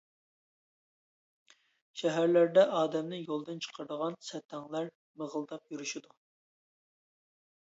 شەھەرلەردە ئادەمنى يولدىن چىقىرىدىغان سەتەڭلەر مىغىلداپ يۈرۈشىدۇ.